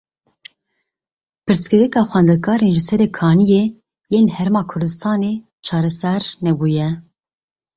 Pirsgirêka xwendekarên ji Serê Kaniyê yên li Herêma Kurdistanê çareser nebûye.